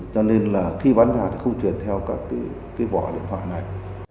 cho nên là khi bán ngã thì không chuyển theo cái vỏ điện thoại này